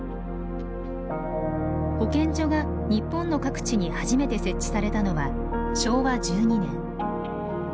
保健所が日本の各地に初めて設置されたのは昭和１２年。